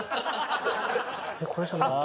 これじゃないっけ？